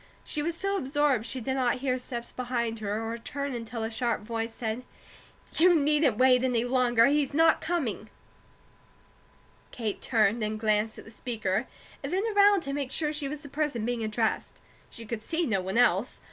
She was so absorbed she did not hear steps behind her or turn until a sharp voice said: "You needn't wait any longer. He's not coming!" Kate turned and glanced at the speaker, and then around to make sure she was the person being addressed. She could see no one else.